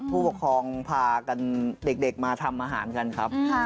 ผู้ปกครองพากันเด็กมาทำอาหารกันครับ